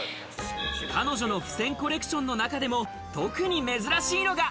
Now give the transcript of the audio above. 彼女の付箋コレクションの中でも、特に珍しいのが。